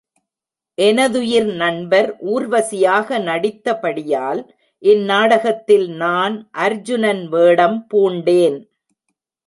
எனதுயிர் நண்பர் ஊர்வசியாக நடித்தபடியால், இந்நாடகத்தில் நான் அர்ஜுனன் வேடம் பூண்டேன்.